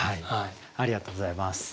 ありがとうございます。